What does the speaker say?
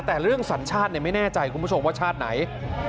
แต่เรื่องสัญชาติไม่แน่ใจคุณผู้ชมว่าชาติไหน